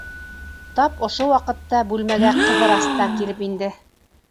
Тап ошо ваҡытта бүлмәгә Ҡыҙырас та килеп инде.